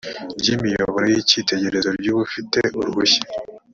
ry imiyoboro y icyitegererezo ry ufite uruhushya